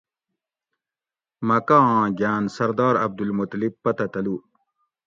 مکہ آں گھاۤن سردار عبدالمطلب پتہ تلو